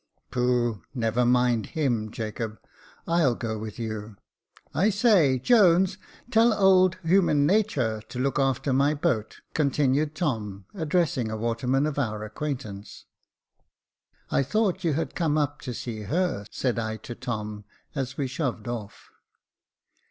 "Pooh! never mind him, Jacob, I'll go with you. I say, Jones, tell old * human natur ' to look after my boat," continued Tom, addressing a waterman of our acquaint ance. *' I thought you had come up to see her^'' said I to Tom, as we shoved off.